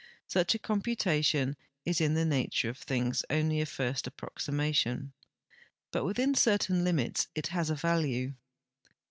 Such a computation is in the nature of things only a first ap proximation. but within certain limits it has a value.